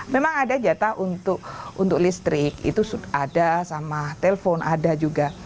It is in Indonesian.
memang ada jatah untuk listrik itu ada sama telpon ada juga